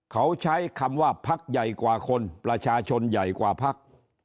เขาใช้คำว่าพักใหญ่กว่าคนประชาชนใหญ่กว่าพัก